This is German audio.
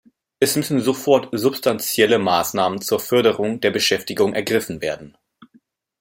Es müssen sofort substanzielle Maßnahmen zur Förderung der Beschäftigung ergriffen werden.